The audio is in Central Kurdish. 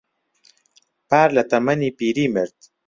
پار لە تەمەنی پیری مرد.